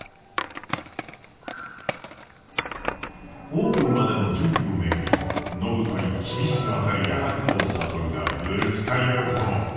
オープンまでの準備を巡り暢子に厳しく当たる矢作と智がぶつかり合うことも。